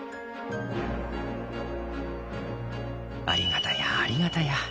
ありがたやありがたや。